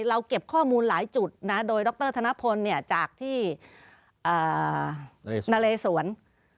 เราเก็บข้อมูลหลายจุดนะโดยดรธนพลจากที่นาเลสวน